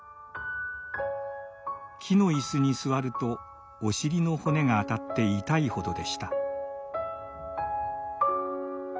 木の椅子に座るとお尻の骨があたって痛いほどでした。